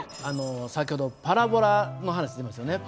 先ほどパラボラの話出ましたよね。